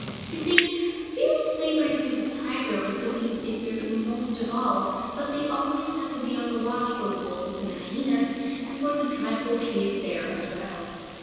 You see, the fierce saber toothed tiger was the beast they feared most of all, but they always had to be on the watch for wolves and hyenas, and for the dreadful cave bear as well.